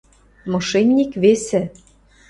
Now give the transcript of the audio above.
— Мошенник весӹ...